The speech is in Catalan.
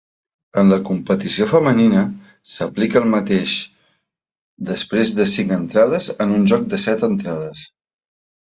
En la competició femenina, s'aplica el mateix després de cinc entrades en un joc de set entrades.